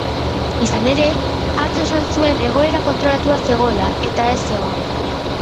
Izan ere, atzo esan zuen egoera kontrolatuta zegoela, eta ez zegoen.